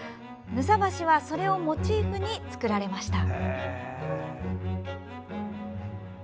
幣橋はそれをモチーフに造られました。